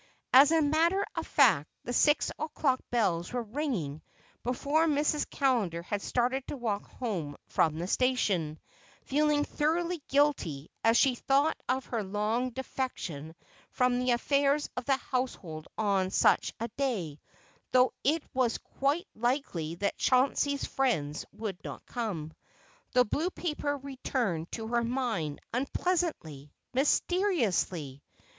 As a matter of fact, the six o'clock bells were ringing before Mrs. Callender had started to walk home from the station, feeling thoroughly guilty as she thought of her long defection from the affairs of the household on such a day, though it was quite likely that Chauncey's friends would not come. The blue paper returned to her mind, unpleasantly, mysteriously.